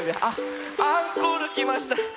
あっアンコールきました。